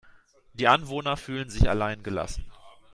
Die Anwohner fühlen sich allein gelassen.